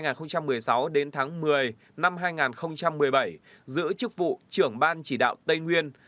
từ năm hai nghìn một mươi sáu đến tháng một mươi năm hai nghìn một mươi bảy giữ chức vụ trưởng ban chỉ đạo tây nguyên